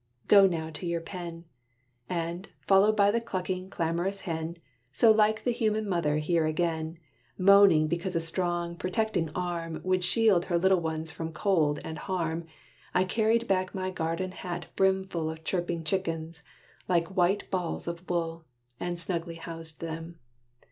Go now to your pen." And, followed by the clucking, clamorous hen, So like the human mother here again, Moaning because a strong, protecting arm Would shield her little ones from cold and harm, I carried back my garden hat brimful Of chirping chickens, like white balls of wool, And snugly housed them.